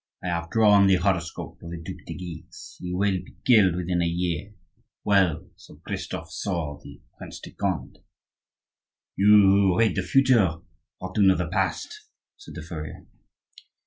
I have drawn the horoscope of the Duc de Guise; he will be killed within a year. Well, so Christophe saw the Prince de Conde—" "You who read the future ought to know the past," said the furrier.